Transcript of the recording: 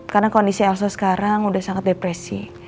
karena kondisi elsa sekarang udah sangat depresi